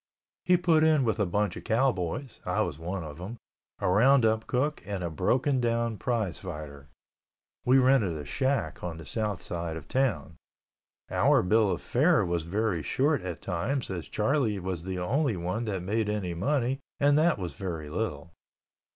He put in with a bunch of cowboys (I was one of them), a roundup cook, and a broken down prize fighter. We rented a shack on the south side of town. Our bill of fare was very short at times as Charlie was the only one that made any money and that was very little.